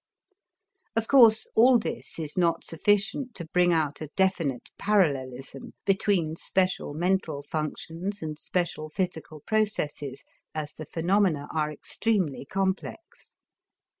Of course, all this is not sufficient to bring out a definite parallelism between special mental functions and special physical processes, as the phenomena are extremely complex.